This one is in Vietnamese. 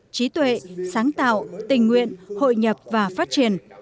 trí tuệ sáng tạo tình nguyện hội nhập và phát triển